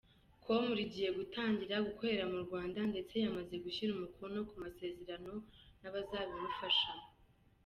com rigiye gutangira gukorera mu Rwanda ndetse yamaze gushyira umukono ku masezerano n’abazabimufashamo.